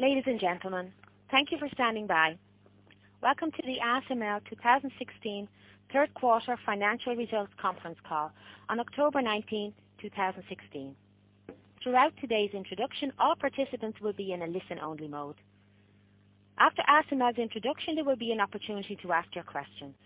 Ladies and gentlemen, thank you for standing by. Welcome to the ASML 2016 third quarter financial results conference call on October 19, 2016. Throughout today's introduction, all participants will be in a listen-only mode. After ASML's introduction, there will be an opportunity to ask your questions.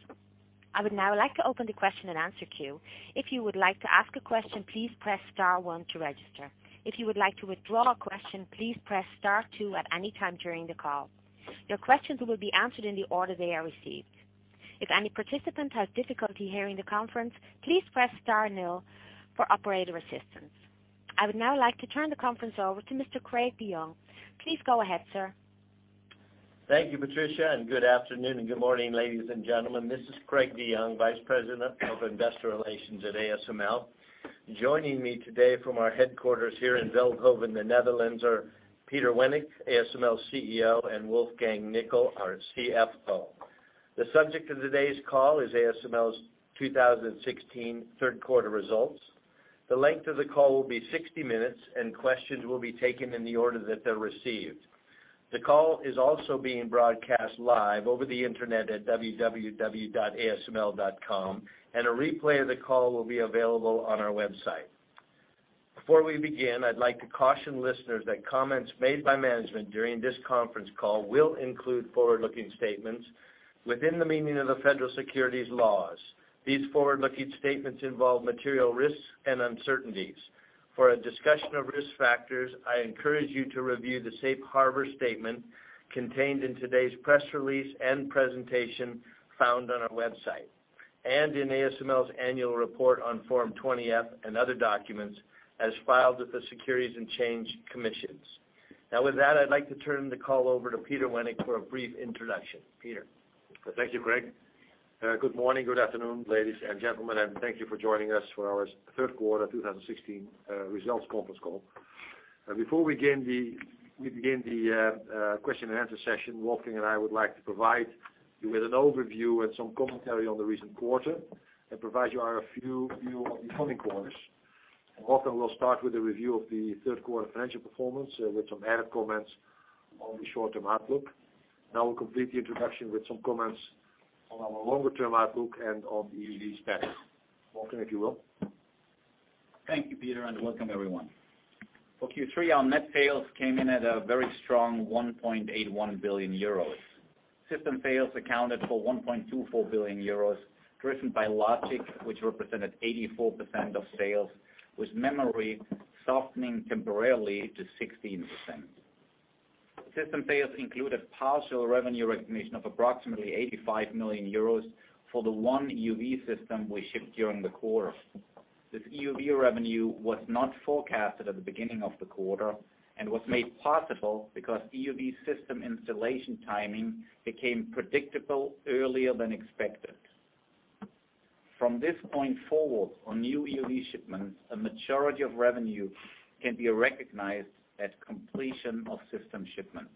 I would now like to open the question and answer queue. If you would like to ask a question, please press star 1 to register. If you would like to withdraw a question, please press star 2 at any time during the call. Your questions will be answered in the order they are received. If any participant has difficulty hearing the conference, please press star 0 for operator assistance. I would now like to turn the conference over to Mr. Craig DeYoung. Please go ahead, sir. Thank you, Patricia. Good afternoon and good morning, ladies and gentlemen. This is Craig DeYoung, vice president of investor relations at ASML. Joining me today from our headquarters here in Veldhoven, the Netherlands, are Peter Wennink, ASML's CEO, and Wolfgang Nickl, our CFO. The subject of today's call is ASML's 2016 third quarter results. The length of the call will be 60 minutes. Questions will be taken in the order that they're received. The call is also being broadcast live over the internet at www.asml.com. A replay of the call will be available on our website. Before we begin, I'd like to caution listeners that comments made by management during this conference call will include forward-looking statements within the meaning of the federal securities laws. These forward-looking statements involve material risks and uncertainties. For a discussion of risk factors, I encourage you to review the safe harbor statement contained in today's press release and presentation found on our website, and in ASML's annual report on Form 20-F and other documents as filed with the Securities and Exchange Commission. Now, with that, I'd like to turn the call over to Peter Wennink for a brief introduction. Peter. Thank you, Craig. Good morning, good afternoon, ladies and gentlemen. Thank you for joining us for our third quarter 2016 results conference call. Before we begin the question and answer session, Wolfgang and I would like to provide you with an overview and some commentary on the recent quarter and provide you our view of the coming quarters. Wolfgang will start with a review of the third quarter financial performance with some added comments on the short-term outlook. I will complete the introduction with some comments on our longer-term outlook and on EUV status. Wolfgang, if you will. Thank you, Peter, and welcome everyone. For Q3, our net sales came in at a very strong €1.81 billion. System sales accounted for €1.24 billion, driven by logic, which represented 84% of sales, with memory softening temporarily to 16%. System sales included partial revenue recognition of approximately €85 million for the one EUV system we shipped during the quarter. This EUV revenue was not forecasted at the beginning of the quarter and was made possible because EUV system installation timing became predictable earlier than expected. From this point forward, on new EUV shipments, a majority of revenue can be recognized at completion of system shipment.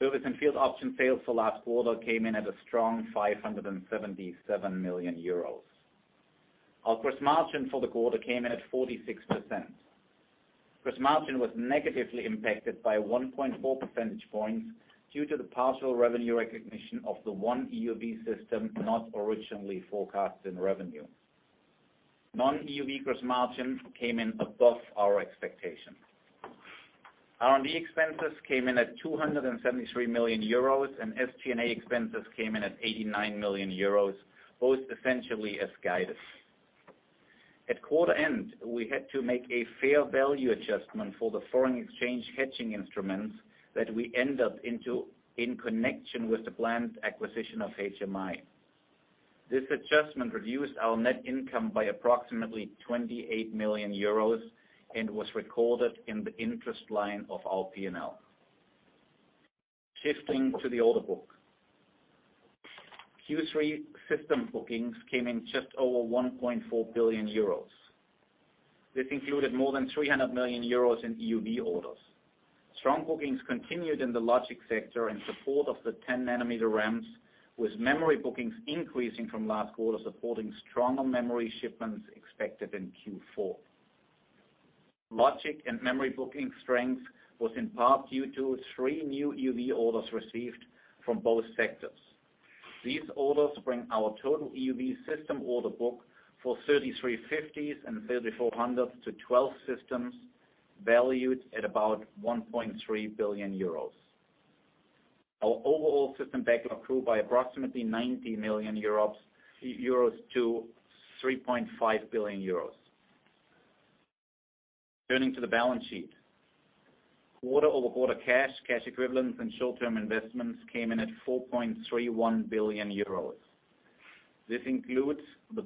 Service and field option sales for last quarter came in at a strong €577 million. Our gross margin for the quarter came in at 46%. Gross margin was negatively impacted by 1.4 percentage points due to the partial revenue recognition of the one EUV system not originally forecast in revenue. Non-EUV gross margin came in above our expectation. R&D expenses came in at €273 million, SG&A expenses came in at €89 million, both essentially as guided. At quarter end, we had to make a fair value adjustment for the foreign exchange hedging instruments that we end up into in connection with the planned acquisition of HMI. This adjustment reduced our net income by approximately €28 million and was recorded in the interest line of our P&L. Shifting to the order book. Q3 system bookings came in just over €1.4 billion. This included more than €300 million in EUV orders. Strong bookings continued in the logic sector in support of the 10 nanometer ramps, with memory bookings increasing from last quarter, supporting stronger memory shipments expected in Q4. Logic and memory booking strength was in part due to three new EUV orders received from both sectors. These orders bring our total EUV system order book for 3350s and 3400s to 12 systems valued at about €1.3 billion. Our overall system backlog grew by approximately €90 million to €3.5 billion. Turning to the balance sheet. Quarter-over-quarter cash equivalents, and short-term investments came in at €4.31 billion. This includes the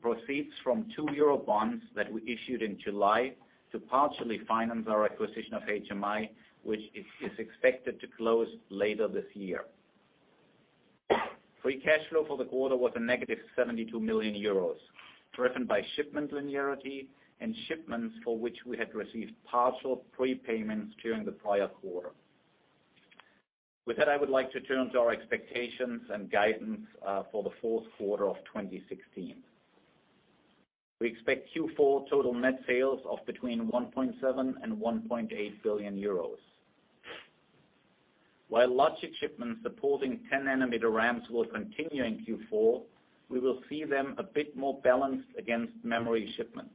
proceeds from two Euro bonds that we issued in July to partially finance our acquisition of HMI, which is expected to close later this year. Free cash flow for the quarter was a negative €72 million, driven by shipment linearity and shipments for which we had received partial prepayments during the prior quarter. With that, I would like to turn to our expectations and guidance for the fourth quarter of 2016. We expect Q4 total net sales of between 1.7 billion and 1.8 billion euros. While logic shipments supporting 10 nanometer ramps will continue in Q4, we will see them a bit more balanced against memory shipments.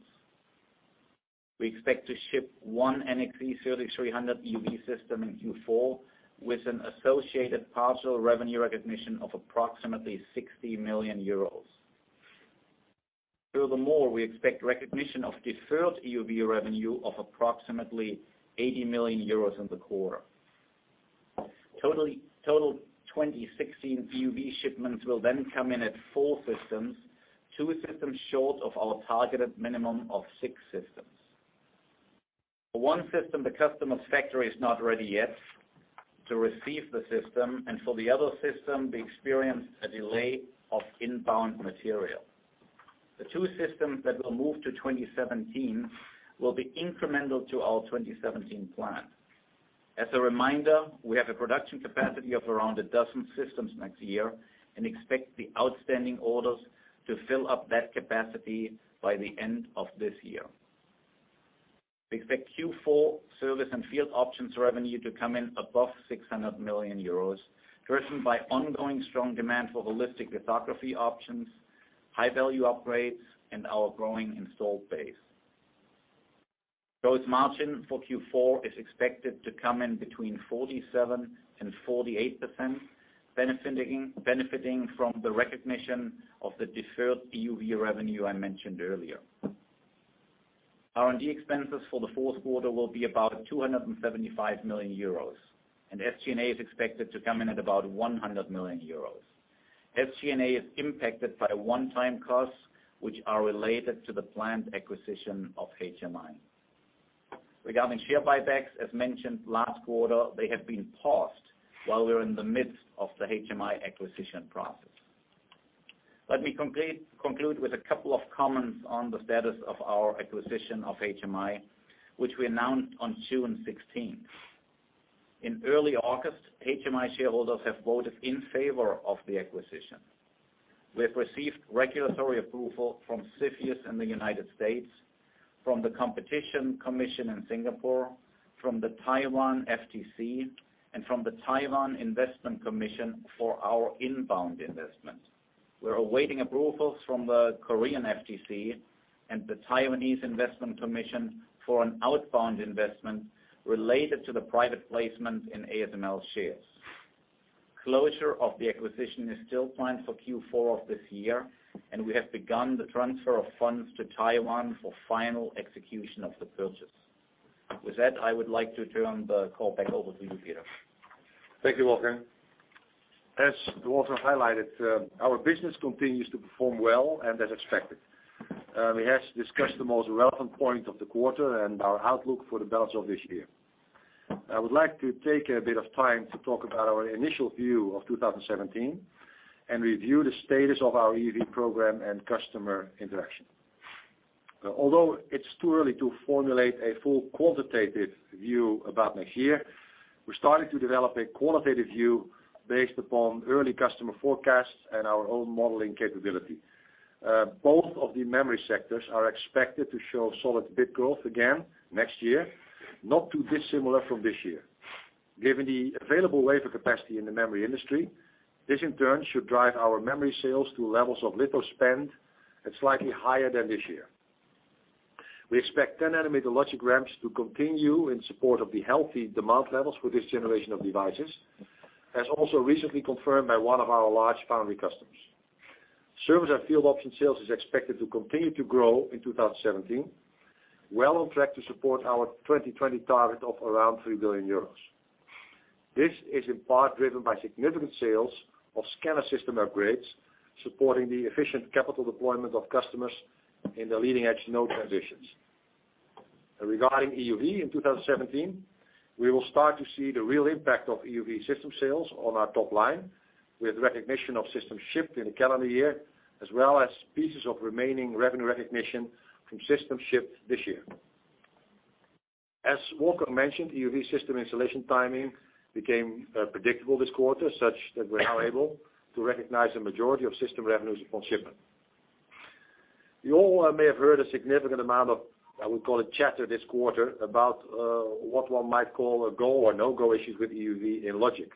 We expect to ship one NXE:3300 EUV system in Q4 with an associated partial revenue recognition of approximately 60 million euros. Furthermore, we expect recognition of deferred EUV revenue of approximately 80 million euros in the quarter. Total 2016 EUV shipments will then come in at four systems, two systems short of our targeted minimum of six systems. For one system, the customer's factory is not ready yet to receive the system. For the other system, we experienced a delay of inbound material. The two systems that will move to 2017 will be incremental to our 2017 plan. As a reminder, we have a production capacity of around a dozen systems next year and expect the outstanding orders to fill up that capacity by the end of this year. We expect Q4 service and field options revenue to come in above 600 million euros, driven by ongoing strong demand for holistic lithography options, high-value upgrades, and our growing installed base. Gross margin for Q4 is expected to come in between 47%-48%, benefiting from the recognition of the deferred EUV revenue I mentioned earlier. R&D expenses for the fourth quarter will be about 275 million euros. SG&A is expected to come in at about 100 million euros. SG&A is impacted by one-time costs, which are related to the planned acquisition of HMI. Regarding share buybacks, as mentioned last quarter, they have been paused while we are in the midst of the HMI acquisition process. Let me conclude with a couple of comments on the status of our acquisition of HMI, which we announced on June 16th. In early August, HMI shareholders have voted in favor of the acquisition. We have received regulatory approval from CFIUS in the U.S., from the Competition Commission of Singapore, from the Taiwan FTC, and from the Taiwan Investment Commission for our inbound investment. We're awaiting approvals from the Korean FTC and the Taiwanese Investment Commission for an outbound investment related to the private placement in ASML shares. Closure of the acquisition is still planned for Q4 of this year. We have begun the transfer of funds to Taiwan for final execution of the purchase. With that, I would like to turn the call back over to you, Peter. Thank you, Wolfgang. As Wolfgang highlighted, our business continues to perform well and as expected. We have discussed the most relevant point of the quarter and our outlook for the balance of this year. I would like to take a bit of time to talk about our initial view of 2017 and review the status of our EUV program and customer interaction. Although it's too early to formulate a full quantitative view about next year, we're starting to develop a qualitative view based upon early customer forecasts and our own modeling capability. Both of the memory sectors are expected to show solid bit growth again next year, not too dissimilar from this year. Given the available wafer capacity in the memory industry, this in turn should drive our memory sales to levels of litho spend at slightly higher than this year. We expect 10 nanometer logic ramps to continue in support of the healthy demand levels for this generation of devices, as also recently confirmed by one of our large foundry customers. Service and field option sales is expected to continue to grow in 2017, well on track to support our 2020 target of around 3 billion euros. This is in part driven by significant sales of scanner system upgrades, supporting the efficient capital deployment of customers in their leading-edge node transitions. Regarding EUV in 2017, we will start to see the real impact of EUV system sales on our top line with recognition of systems shipped in the calendar year, as well as pieces of remaining revenue recognition from systems shipped this year. As Wolfgang mentioned, EUV system installation timing became predictable this quarter, such that we are now able to recognize the majority of system revenues upon shipment. You all may have heard a significant amount of, I would call it, chatter this quarter about what one might call a go or no-go issues with EUV in logic.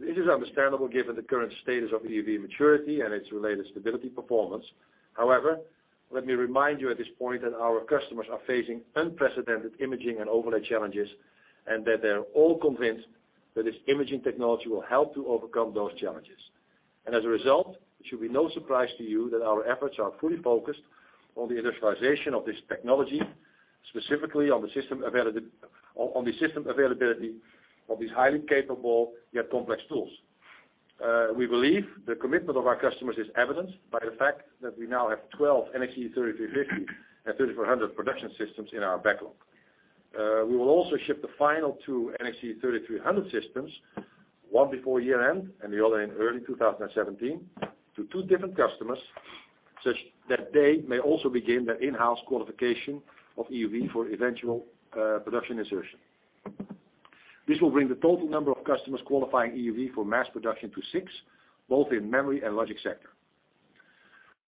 This is understandable given the current status of EUV maturity and its related stability performance. However, let me remind you at this point that our customers are facing unprecedented imaging and overlay challenges, and that they are all convinced that this imaging technology will help to overcome those challenges. As a result, it should be no surprise to you that our efforts are fully focused on the industrialization of this technology, specifically on the system availability of these highly capable yet complex tools. We believe the commitment of our customers is evidenced by the fact that we now have 12 NXE:3350 and NXE:3400 production systems in our backlog. We will also ship the final two NXE:3350B systems, one before year-end and the other in early 2017, to two different customers such that they may also begin their in-house qualification of EUV for eventual production insertion. This will bring the total number of customers qualifying EUV for mass production to six, both in memory and logic sector.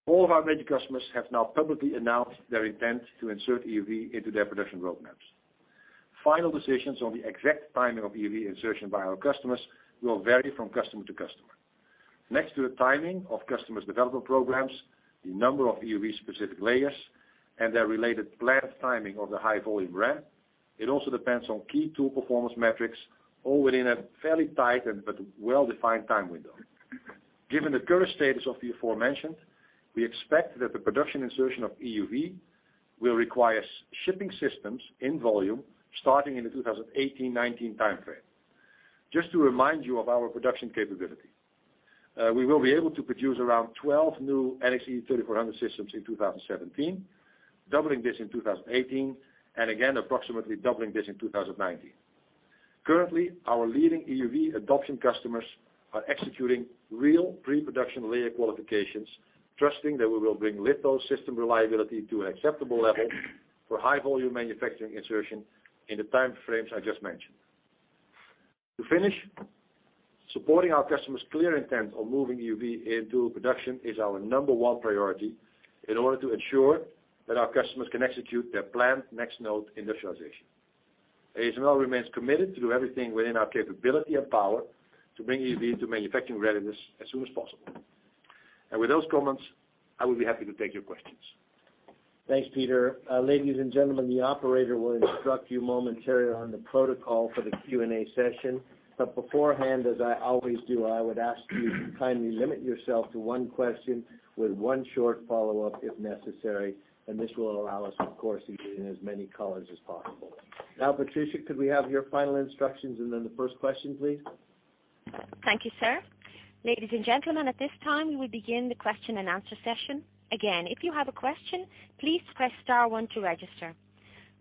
All of our major customers have now publicly announced their intent to insert EUV into their production roadmaps. Final decisions on the exact timing of EUV insertion by our customers will vary from customer to customer. Next to the timing of customers' development programs, the number of EUV specific layers, and their related planned timing of the high-volume ramp, it also depends on key tool performance metrics, all within a fairly tight but well-defined time window. Given the current status of the aforementioned, we expect that the production insertion of EUV will require shipping systems in volume starting in the 2018-19 time frame. Just to remind you of our production capability. We will be able to produce around 12 new NXE:3400 systems in 2017, doubling this in 2018, and again, approximately doubling this in 2019. Currently, our leading EUV adoption customers are executing real pre-production layer qualifications, trusting that we will bring litho system reliability to an acceptable level for high-volume manufacturing insertion in the time frames I just mentioned. To finish, supporting our customers' clear intent on moving EUV into production is our number one priority in order to ensure that our customers can execute their planned next-node industrialization. ASML remains committed to do everything within our capability and power to bring EUV to manufacturing readiness as soon as possible. With those comments, I would be happy to take your questions. Thanks, Peter. Ladies and gentlemen, the operator will instruct you momentarily on the protocol for the Q&A session. Beforehand, as I always do, I would ask you to kindly limit yourself to one question with one short follow-up if necessary, this will allow us, of course, to get in as many callers as possible. Patricia, could we have your final instructions and then the first question, please? Thank you, sir. Ladies and gentlemen, at this time, we begin the question and answer session. Again, if you have a question, please press star one to register.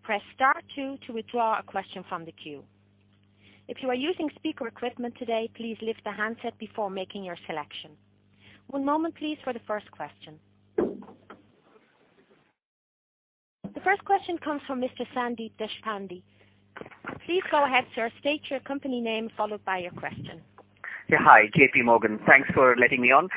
Press star two to withdraw a question from the queue. If you are using speaker equipment today, please lift the handset before making your selection. One moment please for the first question. The first question comes from Mr. Sandeep Deshpande. Please go ahead, sir. State your company name, followed by your question. Yeah. Hi, J.P. Morgan. Thanks for letting me on.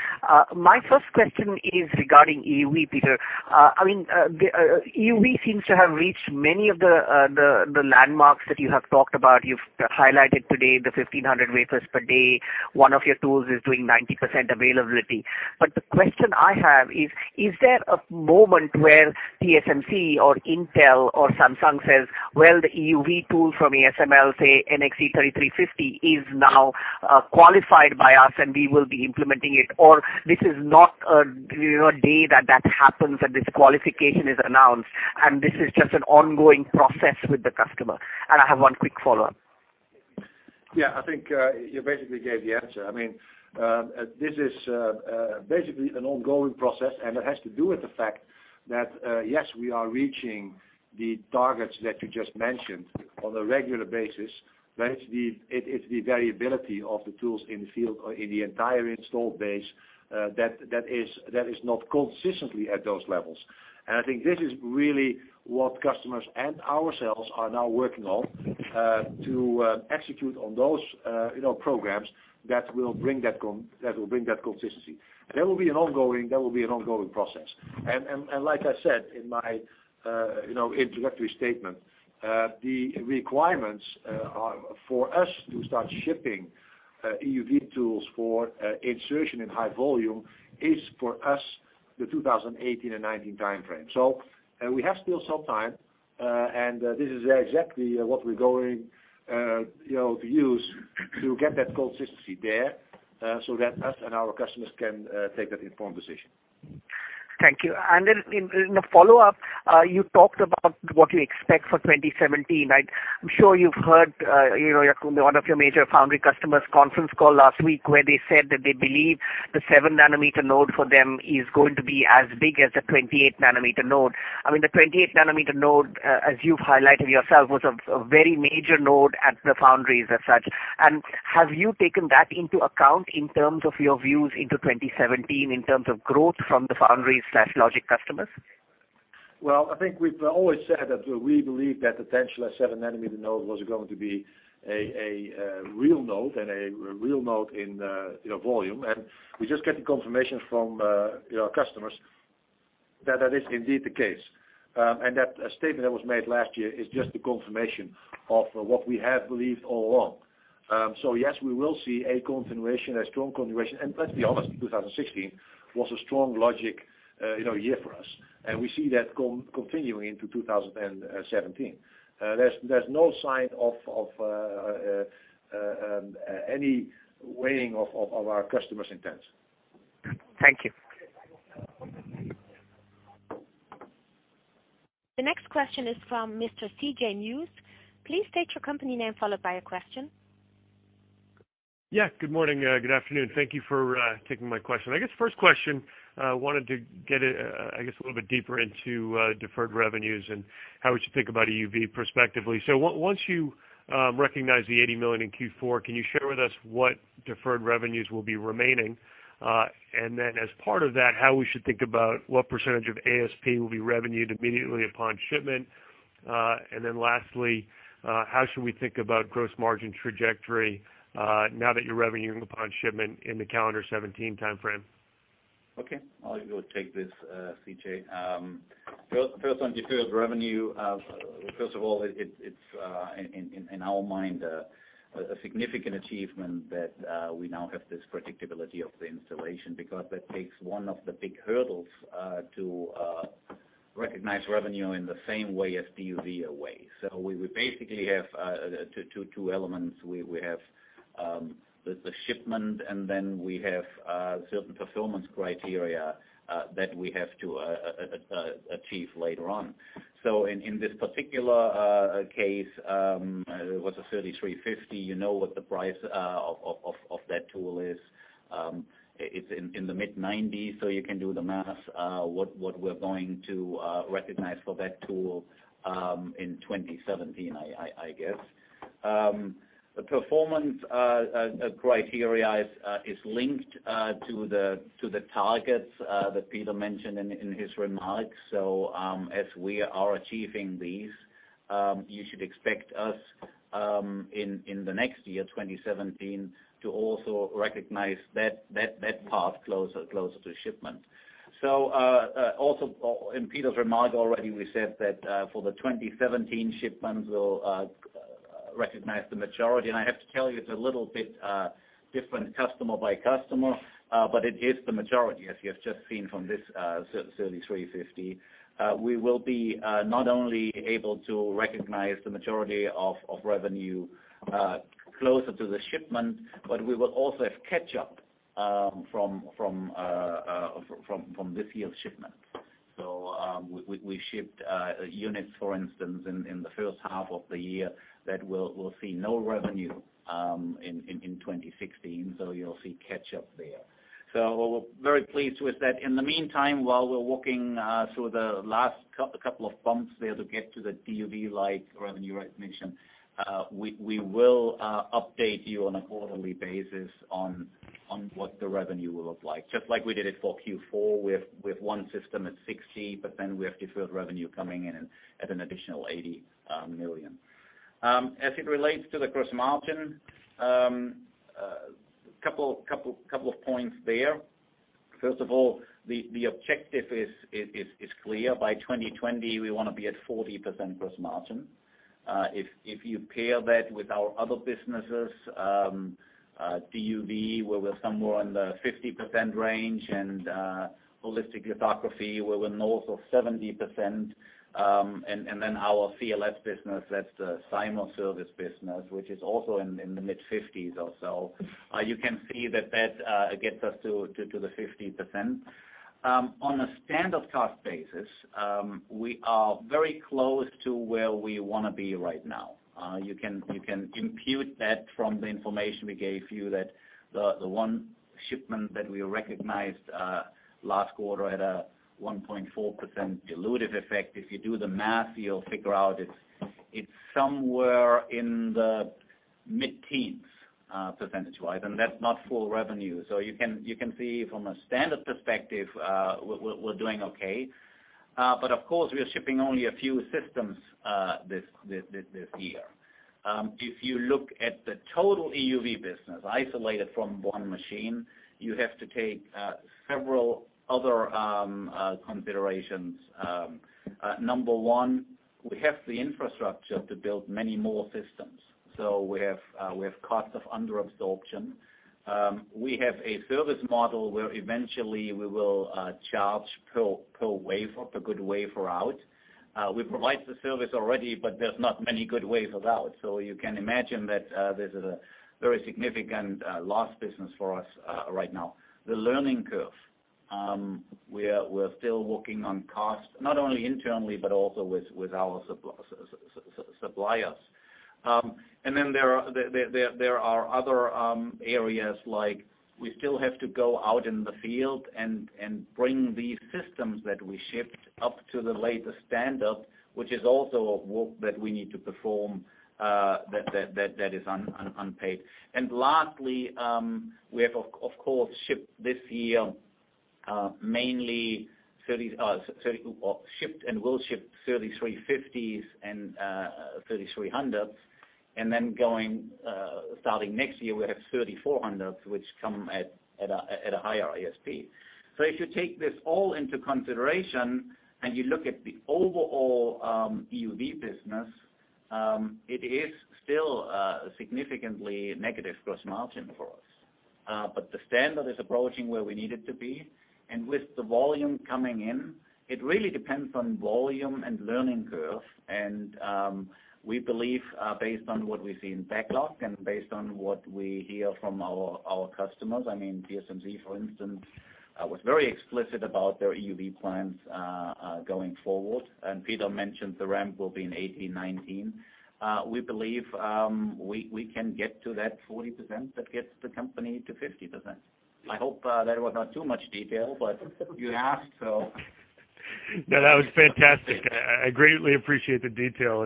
My first question is regarding EUV, Peter. EUV seems to have reached many of the landmarks that you have talked about. You've highlighted today the 1,500 wafers per day. One of your tools is doing 90% availability. The question I have is: Is there a moment where TSMC or Intel or Samsung says, "Well, the EUV tool from ASML, say NXE:3350, is now qualified by us, and we will be implementing it," or this is not a day that that happens and this qualification is announced, and this is just an ongoing process with the customer? I have one quick follow-up. Yeah, I think you basically gave the answer. This is basically an ongoing process, it has to do with the fact that, yes, we are reaching the targets that you just mentioned on a regular basis, but it's the variability of the tools in the field or in the entire installed base that is not consistently at those levels. I think this is really what customers and ourselves are now working on to execute on those programs that will bring that consistency. That will be an ongoing process. Like I said in my introductory statement, the requirements for us to start shipping EUV tools for insertion in high volume is for us the 2018 and 2019 time frame. We have still some time, this is exactly what we're going to use to get that consistency there so that us and our customers can take that informed decision. Thank you. In the follow-up, you talked about what you expect for 2017. I'm sure you've heard one of your major foundry customers conference call last week where they said that they believe the 7-nanometer node for them is going to be as big as the 28-nanometer node. The 28-nanometer node, as you've highlighted yourself, was a very major node at the foundries as such. Have you taken that into account in terms of your views into 2017 in terms of growth from the foundry/logic customers? Well, I think we've always said that we believe that the potential of 7-nanometer node was going to be a real node and a real node in volume. We just get the confirmation from our customers that that is indeed the case. That statement that was made last year is just the confirmation of what we have believed all along. Yes, we will see a continuation, a strong continuation. Let's be honest, 2016 was a strong logic year for us, we see that continuing into 2017. There's no sign of any waning of our customers' intents. Thank you. The next question is from Mr. C.J. Muse. Please state your company name, followed by your question. Good morning. Good afternoon. Thank you for taking my question. First question, a little bit deeper into deferred revenues and how we should think about EUV prospectively. Once you recognize the 80 million in Q4, can you share with us what deferred revenues will be remaining? As part of that, how we should think about what percentage of ASP will be revenued immediately upon shipment? Lastly, how should we think about gross margin trajectory now that you're revenue-ing upon shipment in the calendar 2017 timeframe? Okay. I'll take this, C.J. First on deferred revenue. First of all, it's in our mind a significant achievement that we now have this predictability of the installation, because that takes one of the big hurdles to recognize revenue in the same way as DUV away. We would basically have two elements. We have the shipment, and then we have certain performance criteria that we have to achieve later on. In this particular case, it was a 3350, you know what the price of that tool is. It's in the mid-90s, you can do the math, what we're going to recognize for that tool in 2017, I guess. The performance criteria is linked to the targets that Peter mentioned in his remarks. As we are achieving these, you should expect us in the next year, 2017, to also recognize that path closer to shipment. Also in Peter's remark already, we said that for the 2017 shipments, we'll recognize the majority. I have to tell you, it's a little bit different customer by customer, but it is the majority, as you have just seen from this 3350. We will be not only able to recognize the majority of revenue closer to the shipment, we will also have catch-up from this year's shipment. We shipped units, for instance, in the first half of the year that will see no revenue in 2016. You'll see catch-up there. We're very pleased with that. In the meantime, while we're working through the last couple of bumps there to get to the DUV-like revenue recognition, we will update you on a quarterly basis on what the revenue will look like. Just like we did it for Q4 with one system at 60, we have deferred revenue coming in at an additional 80 million. As it relates to the gross margin, couple of points there. First of all, the objective is clear. By 2020, we want to be at 40% gross margin. If you pair that with our other businesses, DUV, where we're somewhere in the 50% range, holistic lithography, we're in north of 70%. Our CLS business, that's the Cymer Service business, which is also in the mid-50s or so. You can see that gets us to the 50%. On a standard cost basis, we are very close to where we want to be right now. You can impute that from the information we gave you that the one shipment that we recognized last quarter had a 1.4% dilutive effect. If you do the math, you'll figure out it's somewhere in the mid-teens percentage-wise, that's not full revenue. You can see from a standard perspective, we're doing okay. Of course, we are shipping only a few systems this year. If you look at the total EUV business isolated from one machine, you have to take several other considerations. Number one, we have the infrastructure to build many more systems. We have costs of under absorption. We have a service model where eventually we will charge per wafer, per good wafer out. We provide the service already, there's not many good wafers out. You can imagine that this is a very significant loss business for us right now. The learning curve, we're still working on cost, not only internally, but also with our suppliers. There are other areas, like we still have to go out in the field and bring these systems that we shipped up to the latest standard, which is also work that we need to perform, that is unpaid. Lastly, we have, of course, shipped this year Shipped and will ship 3350s and 3300s. Starting next year, we have 3400s, which come at a higher ASP. If you take this all into consideration and you look at the overall EUV business, it is still a significantly negative gross margin for us. The standard is approaching where we need it to be. With the volume coming in, it really depends on volume and learning curve. We believe, based on what we see in backlog and based on what we hear from our customers, TSMC, for instance, was very explicit about their EUV plans going forward. Peter mentioned the ramp will be in 2018, 2019. We believe we can get to that 40% that gets the company to 50%. I hope that was not too much detail. You asked. No, that was fantastic. I greatly appreciate the detail.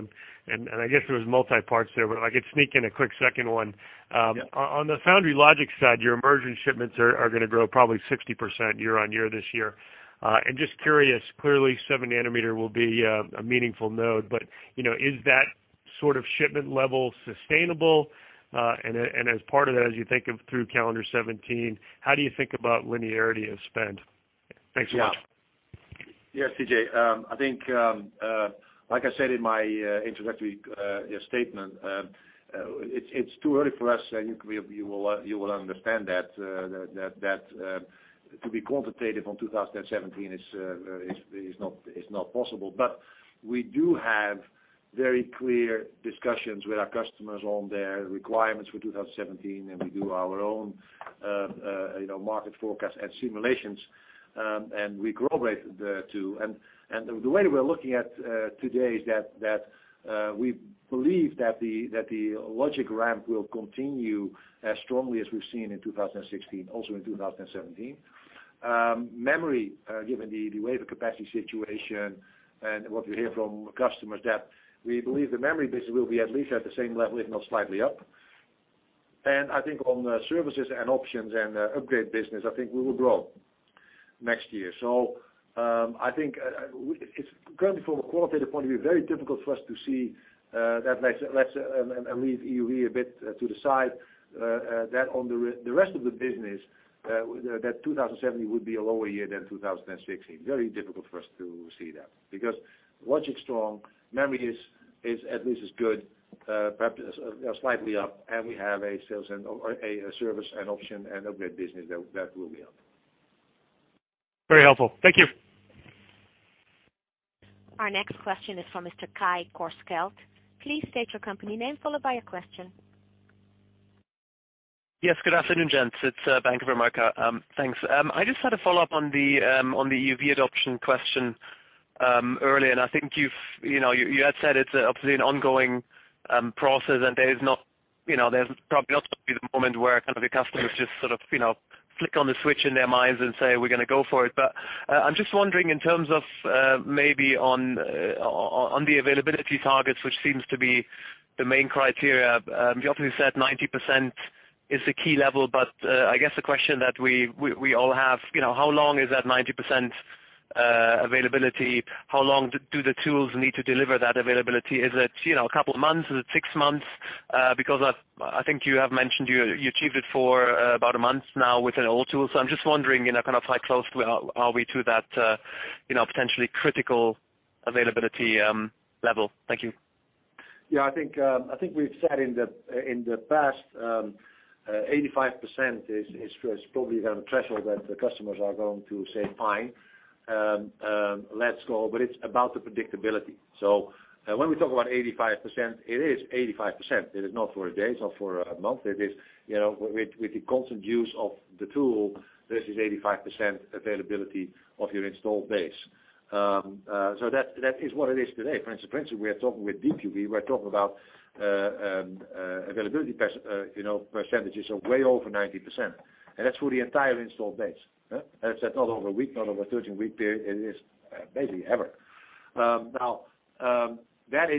I guess there was multi-parts there. I could sneak in a quick second one. Yeah. On the foundry logic side, your immersion shipments are going to grow probably 60% year-over-year this year. Just curious, clearly seven nanometer will be a meaningful node. Is that sort of shipment level sustainable? As part of that, as you think of through calendar 2017, how do you think about linearity of spend? Thanks so much. Yes, C.J. I think, like I said in my introductory statement, it's too early for us. You will understand that to be quantitative on 2017 is not possible. We do have very clear discussions with our customers on their requirements for 2017. We do our own market forecast and simulations. We [grow rate] there too. The way we're looking at today is that, we believe that the logic ramp will continue as strongly as we've seen in 2016, also in 2017. Memory, given the wafer capacity situation and what we hear from customers, that we believe the memory business will be at least at the same level, if not slightly up. I think on the services and options and upgrade business, I think we will grow next year. I think it's currently from a qualitative point of view, very difficult for us to see that, and leave EUV a bit to the side, that on the rest of the business, that 2017 would be a lower year than 2016. Very difficult for us to see that. Logic's strong, memory is at least as good, perhaps slightly up, and we have a service and option and upgrade business that will be up. Very helpful. Thank you. Our next question is from Mr. Kai Korschelt. Please state your company name, followed by your question. Yes, good afternoon, gents. It's Bank of America. Thanks. I just had a follow-up on the EUV adoption question earlier, and I think you had said it's obviously an ongoing process and there's probably not going to be the moment where kind of your customers just sort of flick on the switch in their minds and say, "We're going to go for it." I'm just wondering in terms of maybe on the availability targets, which seems to be the main criteria. You obviously said 90% is the key level, but I guess the question that we all have, how long is that 90% availability? How long do the tools need to deliver that availability? Is it a couple of months? Is it six months? I think you have mentioned you achieved it for about a month now with an old tool. I'm just wondering, kind of like how close are we to that potentially critical availability level. Thank you. Yeah, I think we've said in the past, 85% is probably the threshold that the customers are going to say, "Fine. Let's go." It's about the predictability. When we talk about 85%, it is 85%. It is not for a day, it's not for a month. It is with the constant use of the tool, this is 85% availability of your installed base. That is what it is today. For instance, we are talking with DUV, we are talking about availability percentages of way over 90%. That's for the entire installed base. That's not over a week, not over a 13-week period, it is basically ever. Now, that's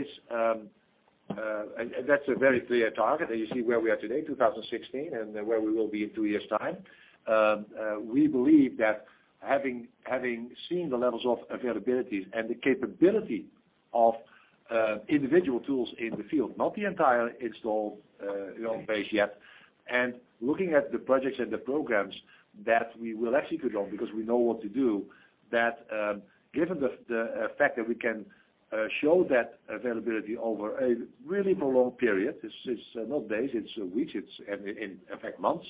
a very clear target, and you see where we are today, 2016, and where we will be in two years' time. We believe that having seen the levels of availabilities and the capability of individual tools in the field, not the entire installed base yet, and looking at the projects and the programs that we will execute on because we know what to do, that given the fact that we can show that availability over a really prolonged period, it's not days, it's weeks, and in fact, months,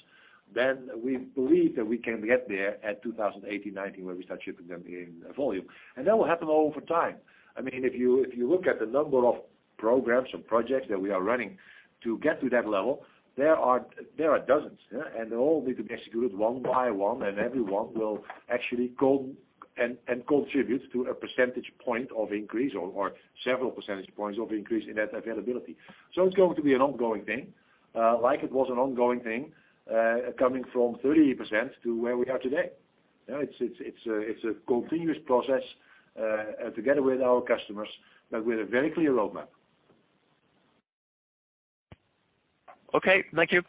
then we believe that we can get there at 2018, '19, where we start shipping them in volume. That will happen over time. If you look at the number of programs and projects that we are running to get to that level, there are dozens. They all need to be executed one by one, and every one will actually go and contribute to a percentage point of increase or several percentage points of increase in that availability. It's going to be an ongoing thing, like it was an ongoing thing coming from 30% to where we are today. It's a continuous process together with our customers, but with a very clear roadmap. Okay. Thank you.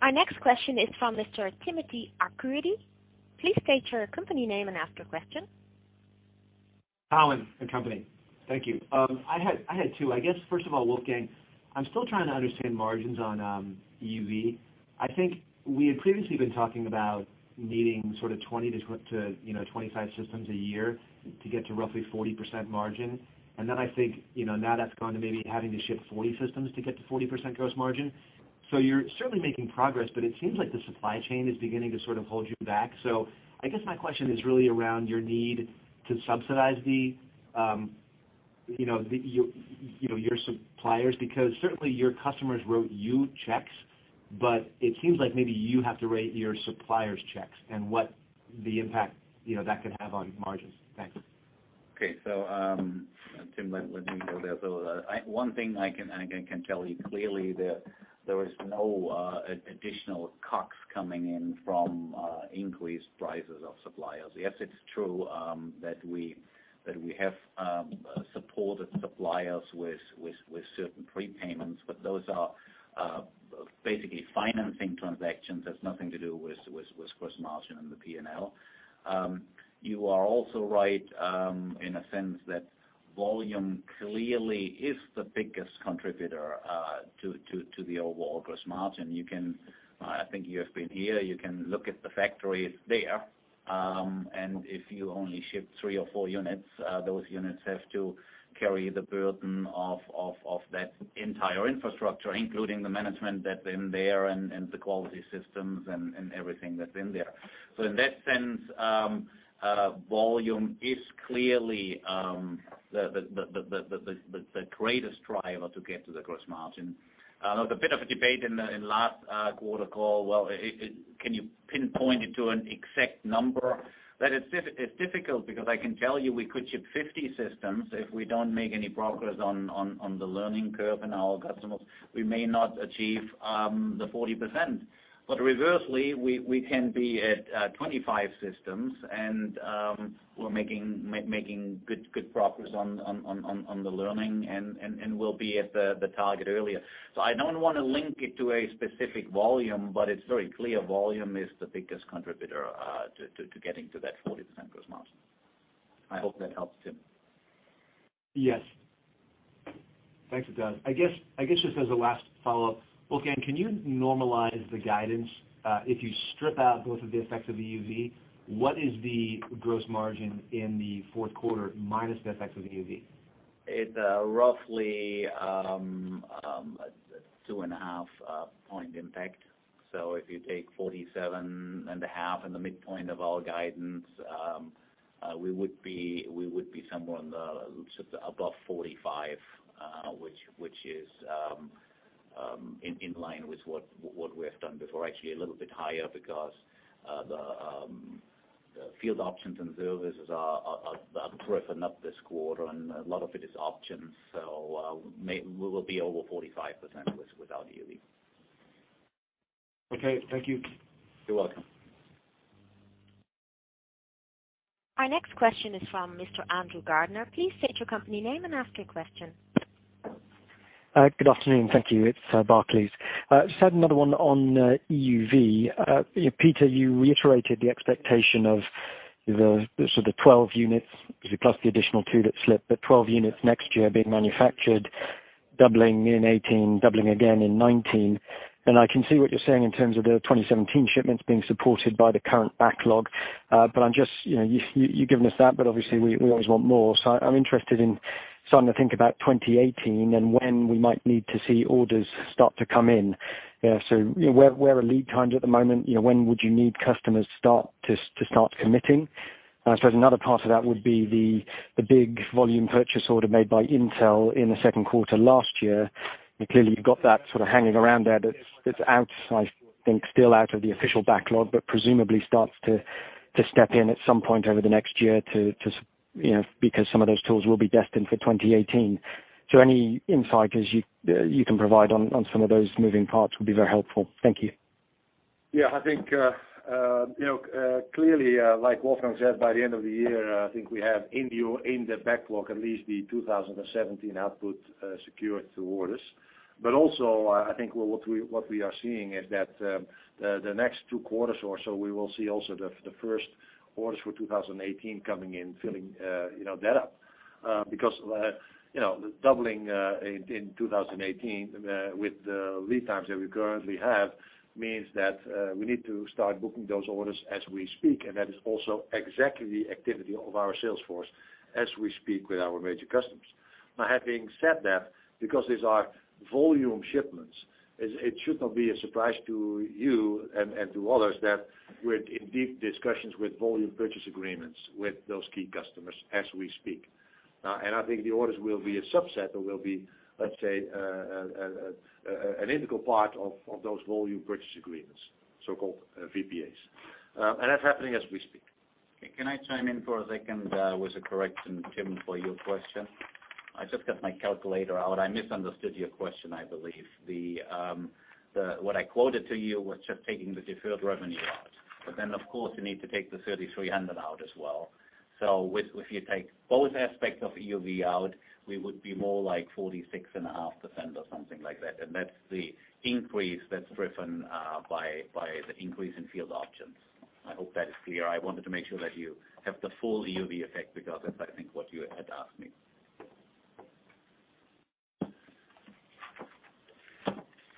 Our next question is from Mr. Timothy Arcuri. Please state your company name and ask your question. Cowen and Company. Thank you. I had two. I guess, first of all, Wolfgang, I'm still trying to understand margins on EUV. Now that's gone to maybe having to ship 40 systems to get to 40% gross margin. You're certainly making progress, but it seems like the supply chain is beginning to sort of hold you back. I guess my question is really around your need to subsidize your suppliers. Certainly your customers wrote you checks, but it seems like maybe you have to write your suppliers checks, and what the impact that could have on margins. Thanks. Okay. Tim, let me go there. One thing I can tell you clearly, there is no additional costs coming in from increased prices of suppliers. Yes, it's true that we have Support its suppliers with certain prepayments, those are basically financing transactions, has nothing to do with gross margin and the P&L. You are also right in a sense that volume clearly is the biggest contributor to the overall gross margin. I think you have been here. You can look at the factories there. If you only ship three or four units, those units have to carry the burden of that entire infrastructure, including the management that's in there and the quality systems and everything that's in there. In that sense, volume is clearly the greatest driver to get to the gross margin. There was a bit of a debate in last quarter call. Well, can you pinpoint it to an exact number? That is difficult because I can tell you we could ship 50 systems if we don't make any progress on the learning curve and our customers, we may not achieve the 40%. Reversely, we can be at 25 systems and we're making good progress on the learning and we'll be at the target earlier. I don't want to link it to a specific volume, but it's very clear volume is the biggest contributor to getting to that 40% gross margin. I hope that helps, Tim. Yes. Thanks, Wolfgang. I guess just as a last follow-up. Wolfgang, can you normalize the guidance? If you strip out both of the effects of EUV, what is the gross margin in the fourth quarter minus the effects of EUV? It's roughly a two and a half point impact. If you take 47 and a half% in the midpoint of our guidance, we would be somewhere on the, above 45%, which is in line with what we have done before. Actually, a little bit higher because the field options and services are driven up this quarter, and a lot of it is options. We will be over 45% without EUV. Okay. Thank you. You're welcome. Our next question is from Mr. Andrew Gardiner. Please state your company name and ask your question. Good afternoon. Thank you. It's Barclays. Just had another one on EUV. Peter, you reiterated the expectation of the sort of 12 units, plus the additional two that slipped, but 12 units next year being manufactured, doubling in 2018, doubling again in 2019. I can see what you're saying in terms of the 2017 shipments being supported by the current backlog. Obviously, we always want more. I'm interested in starting to think about 2018 and when we might need to see orders start to come in. Where are lead times at the moment? When would you need customers to start committing? I suppose another part of that would be the big volume purchase order made by Intel in the second quarter last year. You clearly have got that sort of hanging around there that's outside, I think still out of the official backlog, but presumably starts to step in at some point over the next year because some of those tools will be destined for 2018. Any insight as you can provide on some of those moving parts would be very helpful. Thank you. I think, clearly, like Wolfgang said, by the end of the year, I think we have in the backlog at least the 2017 output secured through orders. Also, I think what we are seeing is that the next two quarters or so, we will see also the first orders for 2018 coming in filling that up. The doubling in 2018 with the lead times that we currently have means that we need to start booking those orders as we speak, and that is also exactly the activity of our sales force as we speak with our major customers. Having said that, because these are volume shipments, it should not be a surprise to you and to others that we're in deep discussions with Volume Purchase Agreements with those key customers as we speak. I think the orders will be a subset or will be, let's say, an integral part of those Volume Purchase Agreements, so-called VPAs. That's happening as we speak. Can I chime in for a second with a correction, Tim, for your question? I just got my calculator out. I misunderstood your question, I believe. What I quoted to you was just taking the deferred revenue out. Then, of course, you need to take the 3,300 out as well. If you take both aspects of EUV out, we would be more like 46.5% or something like that. That's the increase that's driven by the increase in field options. I hope that is clear. I wanted to make sure that you have the full EUV effect because that's I think what you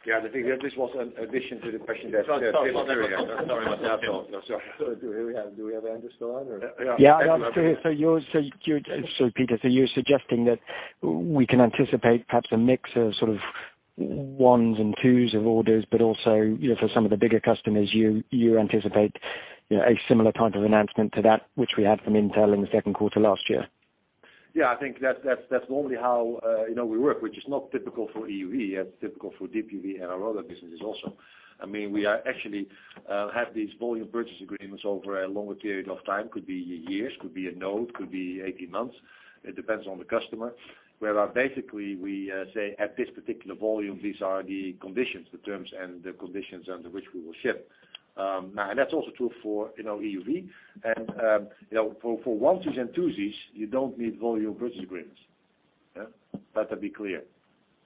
had asked me. I think this was an addition to the question that Peter gave. Sorry about that. No, sorry. Do we have Andrew still on, or? Peter, you're suggesting that we can anticipate perhaps a mix of sort of ones and twos of orders, but also for some of the bigger customers, you anticipate a similar kind of announcement to that which we had from Intel in the second quarter last year? Yeah, I think that's normally how we work, which is not typical for EUV. It's typical for DUV and our other businesses also. We actually have these volume purchase agreements over a longer period of time. Could be years, could be a node, could be 18 months. It depends on the customer. Where basically we say, at this particular volume, these are the conditions, the terms, and the conditions under which we will ship. That's also true for EUV. For onesies and twosies, you don't need volume purchase agreements. Yeah. Let that be clear.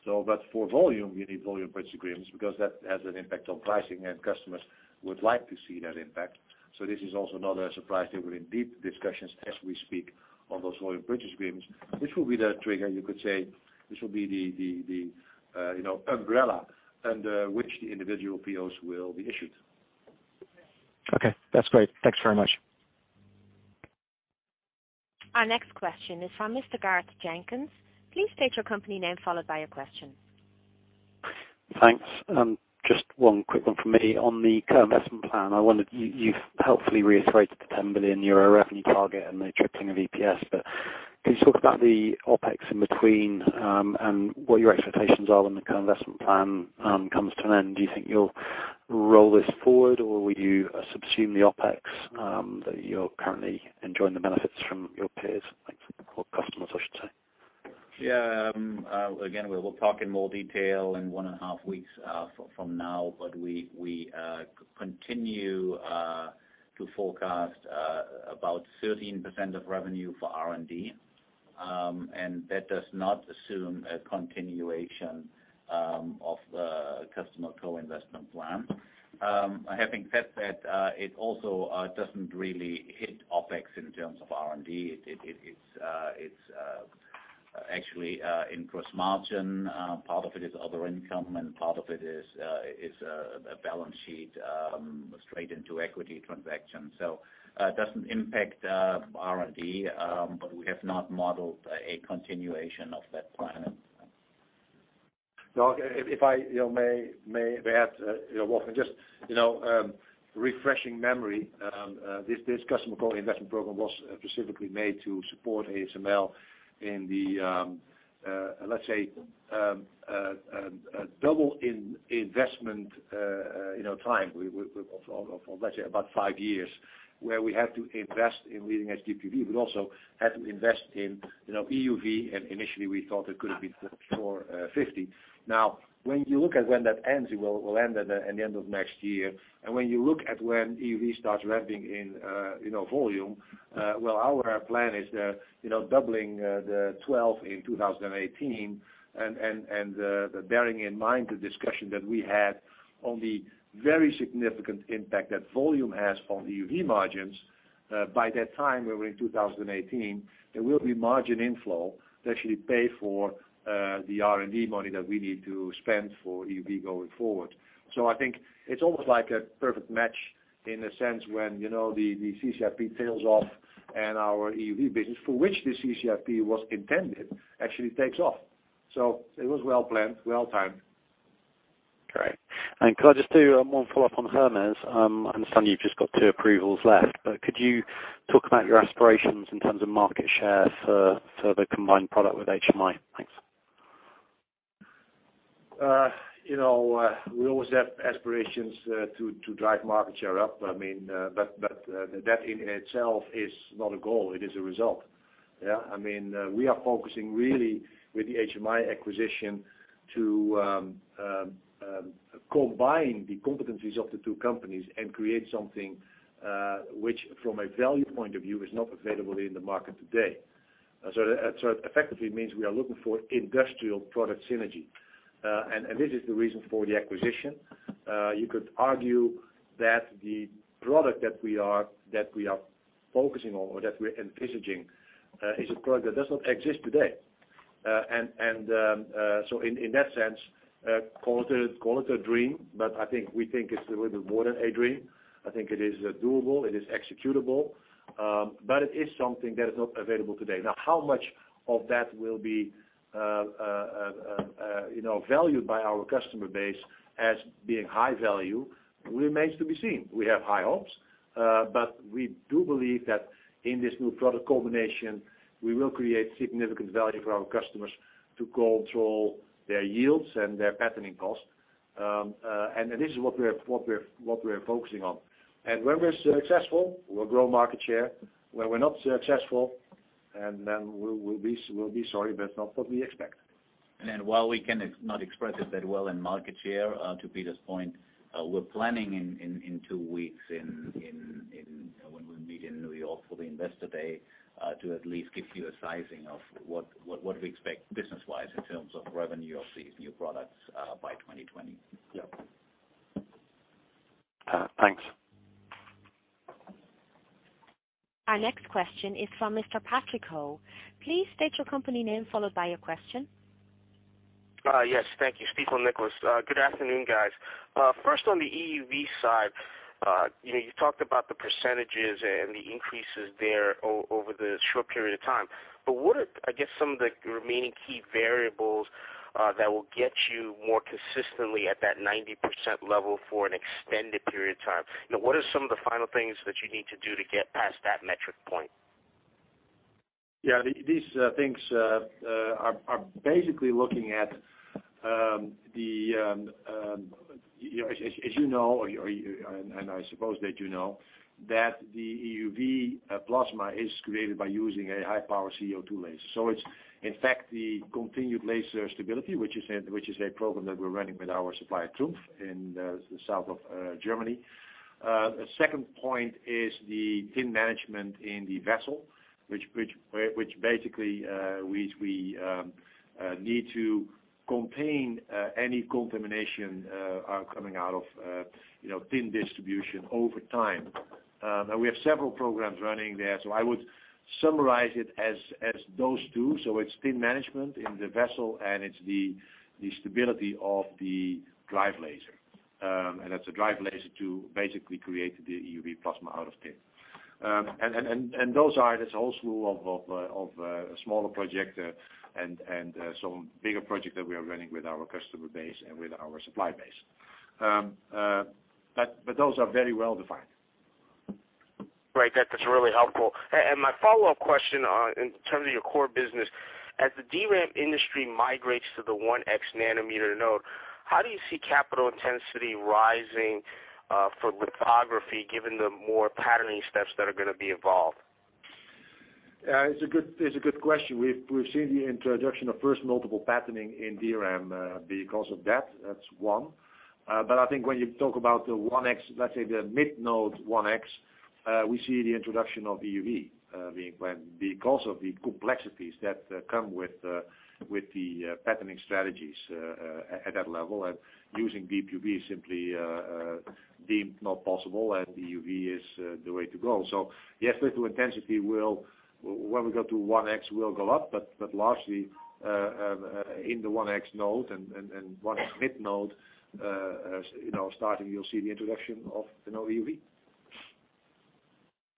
For volume, you need volume purchase agreements because that has an impact on pricing, and customers would like to see that impact. This is also not a surprise. They were in deep discussions as we speak on those volume purchase agreements, which will be the trigger, you could say this will be the umbrella under which the individual POs will be issued. Okay. That's great. Thanks very much. Our next question is from Mr. Gareth Jenkins. Please state your company name, followed by your question. Thanks. Just one quick one from me. On the co-investment plan, you've helpfully reiterated the €10 billion revenue target and the tripling of EPS. Can you talk about the OpEx in between, and what your expectations are when the co-investment plan comes to an end? Do you think you'll roll this forward, or will you subsume the OpEx that you're currently enjoying the benefits from your peers? Thanks. Or customers, I should say. Yeah. Again, we will talk in more detail in one and a half weeks from now, we continue to forecast about 13% of revenue for R&D. That does not assume a continuation of the Customer Co-Investment plan. Having said that, it also doesn't really hit OpEx in terms of R&D. It's actually in gross margin. Part of it is other income, and part of it is a balance sheet straight into equity transaction. It doesn't impact R&D, but we have not modeled a continuation of that plan. If I may add, Wolfgang, just refreshing memory. This Customer Co-Investment Program was specifically made to support ASML in the, let's say, double investment time of, let's say, about five years, where we have to invest in leading-edge DUV, but also had to invest in EUV. Initially, we thought it could have been for 50. When you look at when that ends, it will end at the end of next year. When you look at when EUV starts ramping in volume, well, our plan is doubling the 12 in 2018. Bearing in mind the discussion that we had on the very significant impact that volume has on EUV margins. By that time, when we're in 2018, there will be margin inflow to actually pay for the R&D money that we need to spend for EUV going forward. I think it's almost like a perfect match in the sense when the CCIP tails off and our EUV business, for which the CCIP was intended, actually takes off. It was well-planned, well-timed. Great. Could I just do one follow-up on Hermes? I understand you've just got two approvals left. Could you talk about your aspirations in terms of market share for the combined product with HMI? Thanks. We always have aspirations to drive market share up. That in itself is not a goal. It is a result. Yeah. We are focusing really with the HMI acquisition to combine the competencies of the two companies and create something which, from a value point of view, is not available in the market today. It effectively means we are looking for industrial product synergy. This is the reason for the acquisition. You could argue that the product that we are focusing on, or that we're envisaging, is a product that does not exist today. In that sense, call it a dream, but we think it's a little bit more than a dream. I think it is doable, it is executable. It is something that is not available today. Now, how much of that will be valued by our customer base as being high value remains to be seen. We have high hopes. We do believe that in this new product combination, we will create significant value for our customers to control their yields and their patterning costs. This is what we're focusing on. When we're successful, we'll grow market share. When we're not successful, we'll be sorry, but it's not what we expect. While we cannot express it that well in market share, to Peter's point, we're planning in two weeks when we meet in New York for the Investor Day to at least give you a sizing of what we expect business-wise in terms of revenue of these new products by 2020. Yeah. Thanks. Our next question is from Mr. Patrick Ho. Please state your company name, followed by your question. Yes. Thank you. Stifel Nicolaus. Good afternoon, guys. First, on the EUV side. You talked about the percentages and the increases there over the short period of time. What are some of the remaining key variables that will get you more consistently at that 90% level for an extended period of time? What are some of the final things that you need to do to get past that metric point? Yeah. These things are basically looking at. As you know, and I suppose that you know, that the EUV plasma is created by using a high-power CO2 laser. It's, in fact, the continued laser stability, which is a program that we're running with our supplier, TRUMPF, in the south of Germany. The second point is the tin management in the vessel, which basically, we need to contain any contamination coming out of tin distribution over time. We have several programs running there, I would summarize it as those two. It's tin management in the vessel, and it's the stability of the drive laser. That's a drive laser to basically create the EUV plasma out of tin. Those are this whole slew of smaller projects and some bigger projects that we are running with our customer base and with our supply base. Those are very well-defined. That's really helpful. My follow-up question, in terms of your core business, as the DRAM industry migrates to the 1X nanometer node, how do you see capital intensity rising for lithography, given the more patterning steps that are going to be involved? It's a good question. We've seen the introduction of first multiple patterning in DRAM. Because of that's one. I think when you talk about, let's say, the mid node 1X, we see the introduction of EUV. Because of the complexities that come with the patterning strategies at that level and using DUV is simply deemed not possible, and EUV is the way to go. Yes, the intensity, when we go to 1X, will go up. Largely, in the 1X node and 1X mid node, starting you'll see the introduction of the new EUV.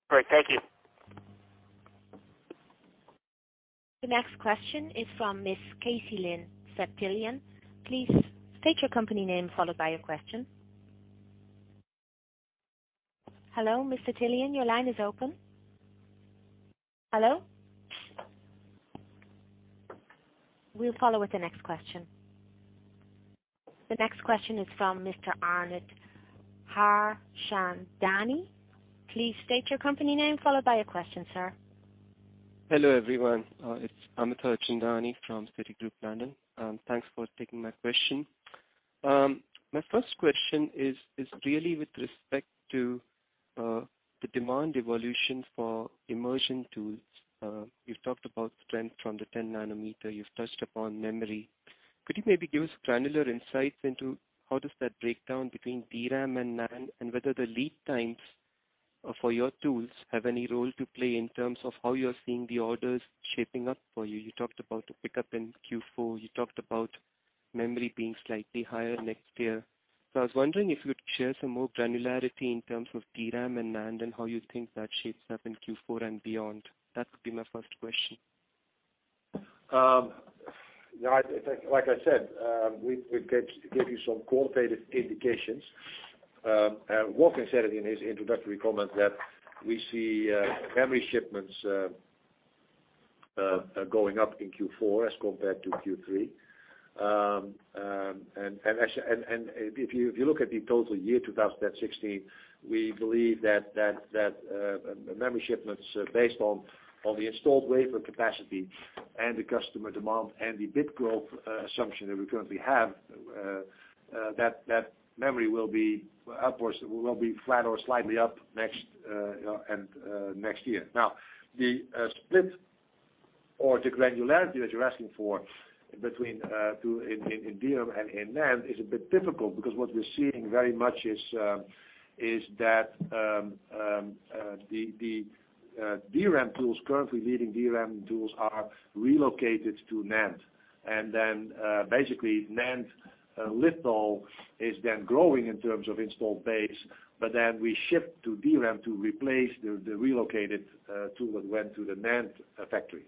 Great. Thank you. The next question is from Miss Casey Lynn Septilion. Please state your company name, followed by your question. Hello, Miss Septilion, your line is open. Hello? We'll follow with the next question. The next question is from Mr. Amit Harchandani. Please state your company name, followed by your question, sir. Hello, everyone. It's Amit Harchandani from Citigroup London. Thanks for taking my question. My first question is really with respect to the demand evolution for immersion tools. You've talked about strength from the 10 nanometer. You've touched upon memory. Could you maybe give us granular insights into how does that break down between DRAM and NAND, and whether the lead times for your tools have any role to play in terms of how you're seeing the orders shaping up for you? You talked about a pickup in Q4. You talked about memory being slightly higher next year. I was wondering if you would share some more granularity in terms of DRAM and NAND and how you think that shapes up in Q4 and beyond. That would be my first question. Like I said, we gave you some qualitative indications. Wolfgang said it in his introductory comments that we see memory shipments going up in Q4 as compared to Q3. If you look at the total year 2016, we believe that memory shipments based on the installed wafer capacity and the customer demand and the bit growth assumption that we currently have, that memory will be flat or slightly up next year. The split or the granularity that you're asking for between in DRAM and in NAND is a bit difficult, because what we're seeing very much is that the DRAM tools currently leading DRAM tools are relocated to NAND. Basically NAND litho is then growing in terms of installed base, we shift to DRAM to replace the relocated tool that went to the NAND factory.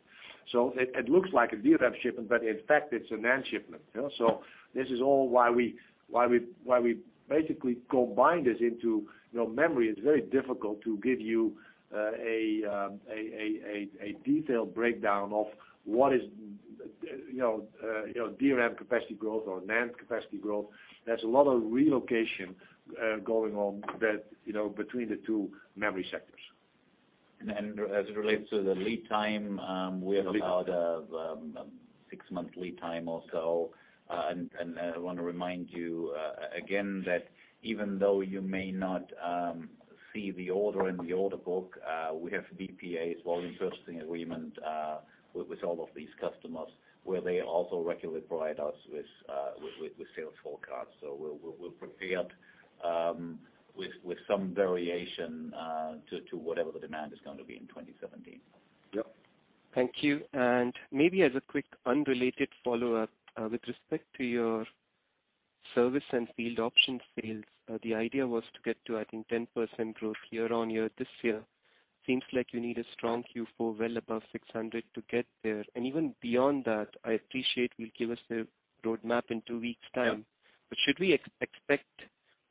It looks like a DRAM shipment, but in fact, it's a NAND shipment. This is all why we basically combine this into memory. It's very difficult to give you a detailed breakdown of what is DRAM capacity growth or NAND capacity growth. There's a lot of relocation going on between the two memory sectors. As it relates to the lead time, we have about a six-month lead time or so. I want to remind you again that even though you may not see the order in the order book, we have VPAs, Volume Purchase Agreements, with all of these customers, where they also regularly provide us with sales forecasts. We're prepared with some variation to whatever the demand is going to be in 2017. Yep. Thank you. Maybe as a quick unrelated follow-up, with respect to your service and field option sales, the idea was to get to, I think, 10% growth year-over-year this year. Seems like you need a strong Q4 well above 600 to get there. Even beyond that, I appreciate we'll give us the roadmap in two weeks' time. Yeah. Should we expect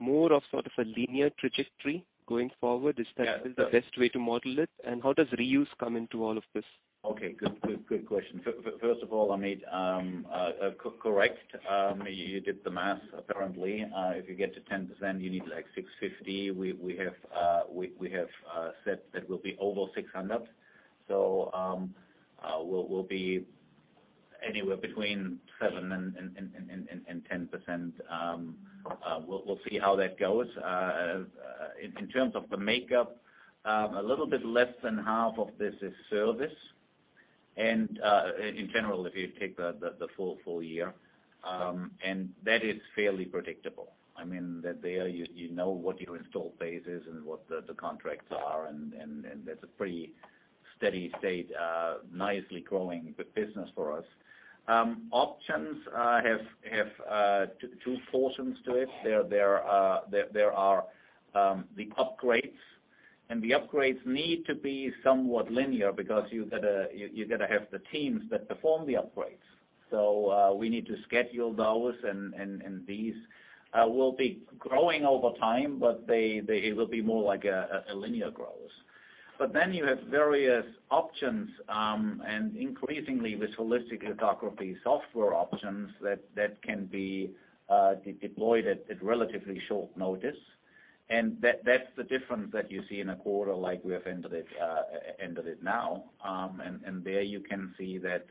more of sort of a linear trajectory going forward? Is that Yeah the best way to model it? How does reuse come into all of this? Okay. Good question. First of all, Amit, correct. You did the math, apparently. If you get to 10%, you need like 650. We have said that we'll be over 600. We'll be anywhere between 7%-10%. We'll see how that goes. In terms of the makeup, a little bit less than half of this is service. In general, if you take the full year, that is fairly predictable. There, you know what your install base is and what the contracts are, and that's a pretty steady state, nicely growing good business for us. Options have two portions to it. There are the upgrades, the upgrades need to be somewhat linear because you got to have the teams that perform the upgrades. We need to schedule those, these will be growing over time, but they will be more like a linear growth. You have various options, and increasingly with holistic lithography software options that can be deployed at relatively short notice. That's the difference that you see in a quarter like we have ended it now. There you can see that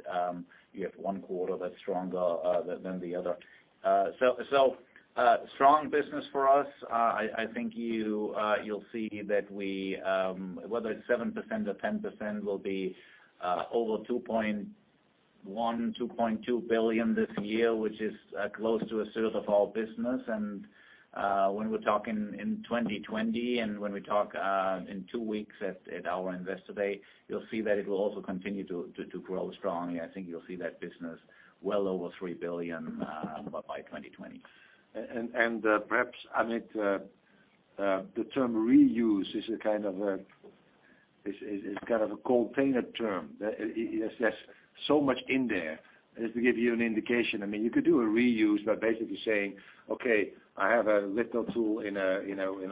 you have one quarter that's stronger than the other. Strong business for us. I think you'll see that whether it's 7% or 10%, we'll be over 2.1 billion, 2.2 billion this year, which is close to a third of our business. When we're talking in 2020 and when we talk in two weeks at our Investor Day, you'll see that it will also continue to grow strongly. I think you'll see that business well over 3 billion by 2020. Perhaps, Amit, the term reuse is kind of a container term that there's so much in there. Just to give you an indication, you could do a reuse by basically saying, "Okay, I have a litho tool in a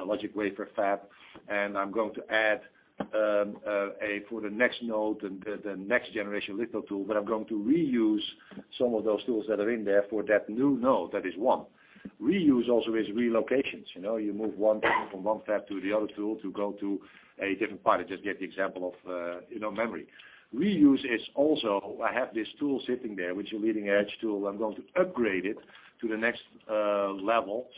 logic wafer fab, and I'm going to add, for the next node, the next generation litho tool, but I'm going to reuse some of those tools that are in there for that new node." That is one. Reuse also is relocations. You move one thing from one fab to the other tool to go to a different part. I just gave the example of memory. Reuse is also, I have this tool sitting there, which a leading-edge tool, I'm going to upgrade it to the next level.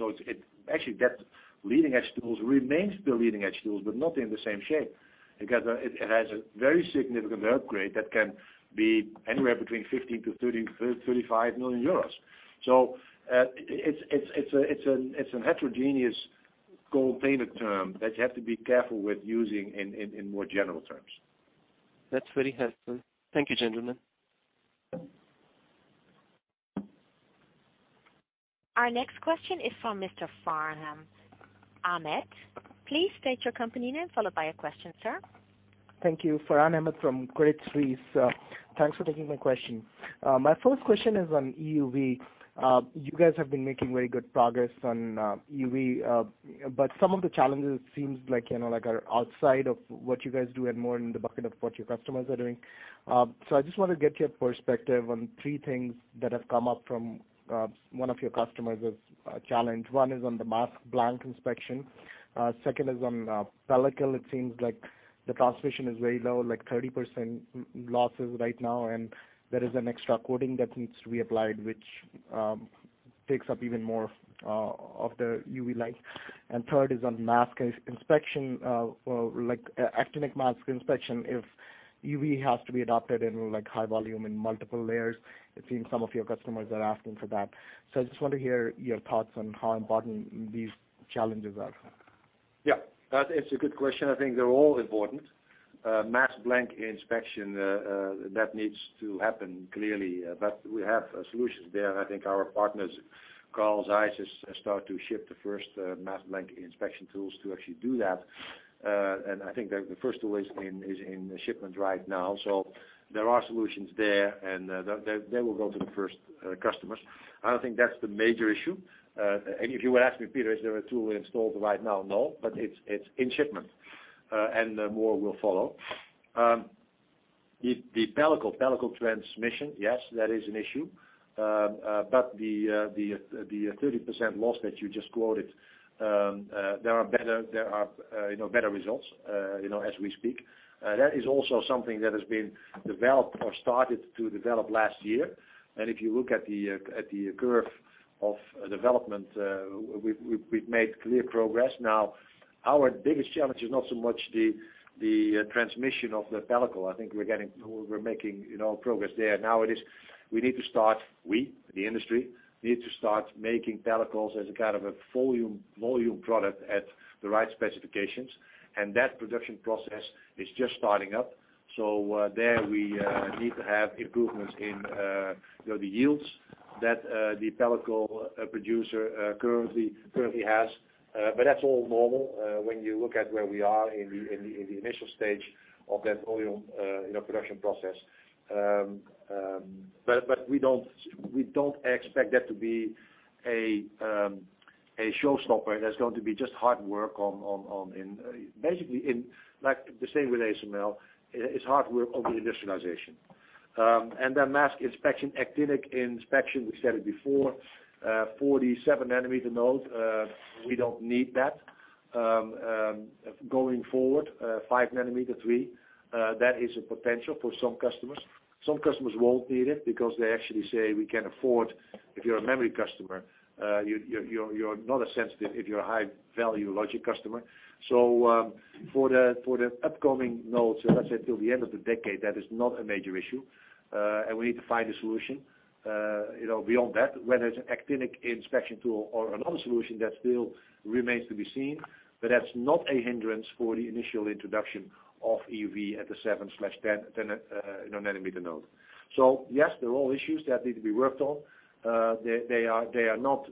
Actually that leading-edge tool remains the leading-edge tool, but not in the same shape, because it has a very significant upgrade that can be anywhere between 15 million-35 million euros. It's an heterogeneous container term that you have to be careful with using in more general terms. That's very helpful. Thank you, gentlemen. Our next question is from Mr. Farhan Ahmad. Please state your company name, followed by your question, sir. Thank you. Farhan Ahmad from Credit Suisse. Thanks for taking my question. My first question is on EUV. You guys have been making very good progress on EUV. Some of the challenges seem like are outside of what you guys do and more in the bucket of what your customers are doing. I just want to get your perspective on three things that have come up from one of your customers as a challenge. One is on the mask blank inspection. Second is on pellicle. It seems like the transmission is very low, like 30% losses right now, and there is an extra coating that needs to be applied, which takes up even more of the EUV light. Third is on mask inspection, like actinic mask inspection if EUV has to be adopted in high volume in multiple layers. It seems some of your customers are asking for that. I just want to hear your thoughts on how important these challenges are. That is a good question. I think they're all important. Mask blank inspection, that needs to happen, clearly. We have solutions there. I think our partners, Carl Zeiss, has start to ship the first mask blank inspection tools to actually do that. I think the first tool is in shipment right now. There are solutions there, and they will go to the first customers. I don't think that's the major issue. If you were asking me, Peter, is there a tool installed right now? No, but it's in shipment. More will follow. The pellicle transmission, yes, that is an issue. The 30% loss that you just quoted, there are better results as we speak. That is also something that has been developed or started to develop last year. If you look at the curve of development, we've made clear progress. Our biggest challenge is not so much the transmission of the pellicle. I think we're making progress there. It is, we, the industry, need to start making pellicles as a kind of a volume product at the right specifications, and that production process is just starting up. There we need to have improvements in the yields that the pellicle producer currently has. That's all normal, when you look at where we are in the initial stage of that volume production process. We don't expect that to be a showstopper. That's going to be just hard work. Basically, the same with ASML. It's hard work on the industrialization. Mask inspection, actinic inspection, we said it before, 47 nanometer node, we don't need that. Going forward, five nanometer, three, that is a potential for some customers. Some customers won't need it because they actually say we can afford If you're a memory customer, you're not as sensitive if you're a high-value logic customer. For the upcoming nodes, let's say till the end of the decade, that is not a major issue. We need to find a solution. Beyond that, whether it's an actinic inspection tool or another solution, that still remains to be seen. That's not a hindrance for the initial introduction of EUV at the seven/10 nanometer node. Yes, they're all issues that need to be worked on. They are not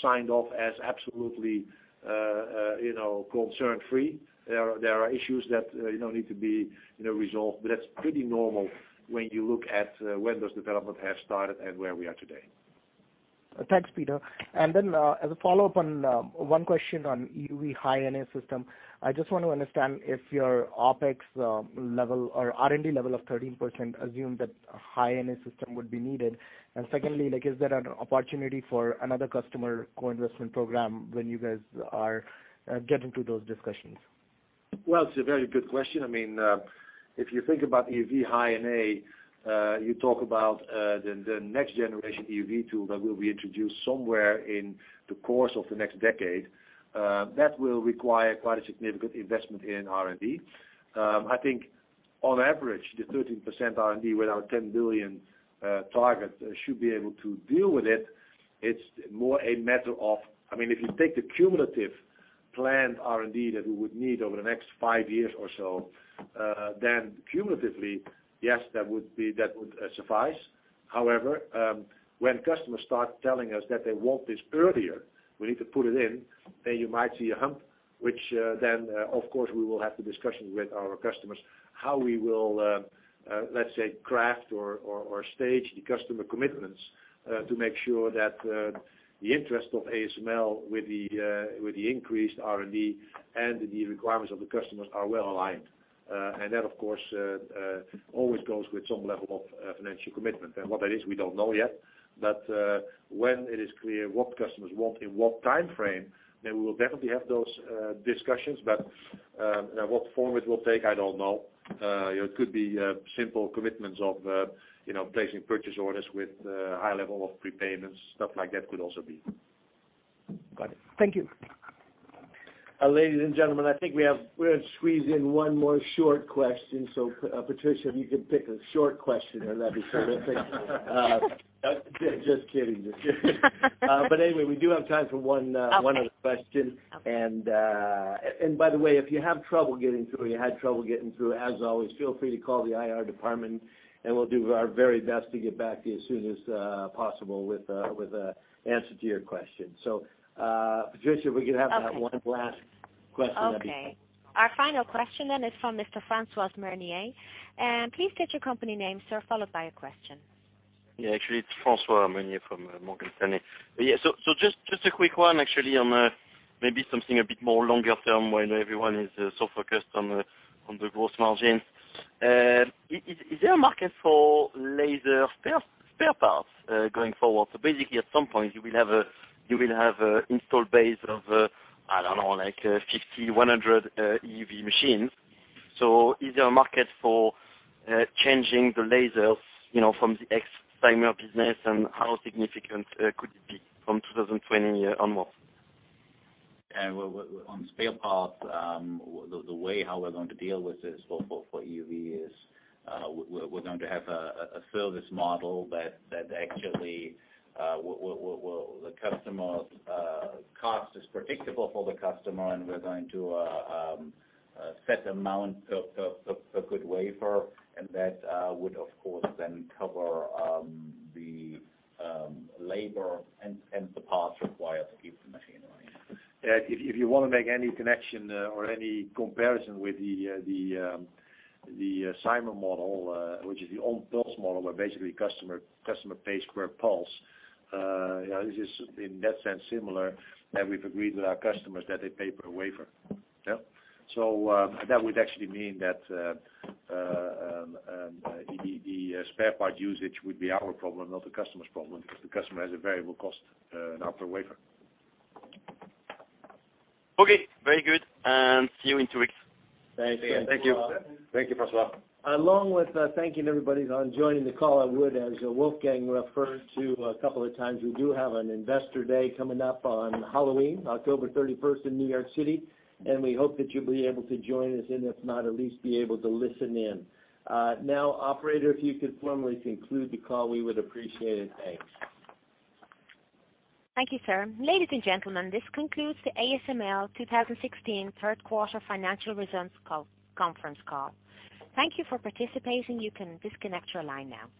signed off as absolutely concern-free. There are issues that need to be resolved. That's pretty normal when you look at when those development have started and where we are today. Thanks, Peter. As a follow-up on one question on EUV High-NA system. I just want to understand if your OpEx level or R&D level of 13% assumed that High-NA system would be needed. Secondly, is there an opportunity for another Customer Co-Investment Program when you guys are getting to those discussions? Well, it's a very good question. If you think about EUV High-NA, you talk about the next generation EUV tool that will be introduced somewhere in the course of the next decade. That will require quite a significant investment in R&D. I think, on average, the 13% R&D with our 10 billion target should be able to deal with it. It's more a matter of, if you take the cumulative planned R&D that we would need over the next five years or so, cumulatively, yes, that would suffice. However, when customers start telling us that they want this earlier, we need to put it in. You might see a hump, which, of course, we will have the discussion with our customers how we will, let's say, craft or stage the customer commitments to make sure that the interest of ASML with the increased R&D and the requirements of the customers are well-aligned. That, of course, always goes with some level of financial commitment. What that is, we don't know yet. When it is clear what customers want in what time frame, we will definitely have those discussions. What form it will take, I don't know. It could be simple commitments of placing purchase orders with high level of prepayments, stuff like that could also be. Got it. Thank you. Ladies and gentlemen, I think we're going to squeeze in one more short question. Patricia, if you can pick a short question, that'd be terrific. Just kidding. Anyway, we do have time for one other question. Okay. By the way, if you have trouble getting through, or you had trouble getting through, as always, feel free to call the IR department, we'll do our very best to get back to you as soon as possible with an answer to your question. Patricia, if we could have that one last question, that'd be great. Our final question is from Mr. Francois Meunier. Please state your company name, sir, followed by your question. Actually, it's Francois Meunier from Morgan Stanley. Just a quick one, actually, on maybe something a bit more longer term, when everyone is so focused on the gross margin. Is there a market for laser spare parts going forward? Basically, at some point, you will have an install base of, I don't know, like 50, 100 EUV machines. Is there a market for changing the lasers from the ex-Cymer business, and how significant could it be from 2020 year onward? On spare parts, the way how we're going to deal with this for EUV is we're going to have a service model that actually the cost is predictable for the customer, and we're going to set amount per good wafer, and that would, of course, then cover the labor and the parts required to keep the machine running. If you want to make any connection or any comparison with the Cymer model, which is the old pulse model, where basically customer pays per pulse, this is, in that sense, similar, and we've agreed with our customers that they pay per wafer. That would actually mean that the spare part usage would be our problem, not the customer's problem, because the customer has a variable cost now per wafer. Okay. Very good, and see you in two weeks. Thanks, Francois. Thank you. Thank you, Francois. Along with thanking everybody on joining the call, I would, as Wolfgang referred to a couple of times, we do have an investor day coming up on Halloween, October 31st in New York City. We hope that you'll be able to join us, and if not, at least be able to listen in. Now, operator, if you could formally conclude the call, we would appreciate it. Thanks. Thank you, sir. Ladies and gentlemen, this concludes the ASML 2016 third quarter financial results conference call. Thank you for participating. You can disconnect your line now.